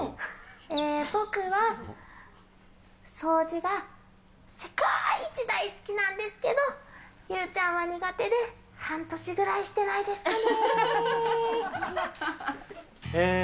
えー、僕は掃除が世界一大好きなんですけど、優ちゃんは苦手で、半年ぐらいしてないですかねー。